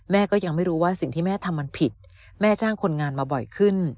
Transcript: ก็ยังไม่รู้ว่าสิ่งที่แม่ทำมันผิดแม่จ้างคนงานมาบ่อยขึ้น